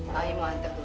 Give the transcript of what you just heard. pak ini mau hantar tunggu